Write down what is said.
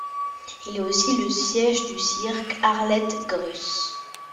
Il est aussi le siège du cirque Arlette Gruss.